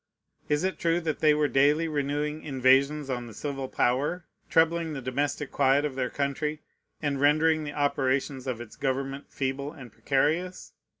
Is it true that they were daily renewing invasions on the civil power, troubling the domestic quiet of their country, and rendering the operations of its government feeble and precarious?